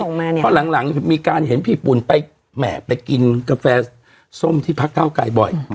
คนส่งมาเนี่ยเพราะหลังหลังมีการเห็นพี่ปุ่นไปแหมไปกินกาแฟส้มที่พักก้าวไกลบ่อย